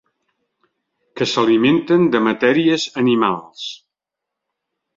Que s'alimenten de matèries animals.